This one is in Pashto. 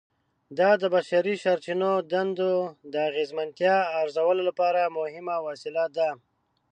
دا د بشري سرچینو دندو د اغیزمنتیا ارزولو لپاره مهمه وسیله ده.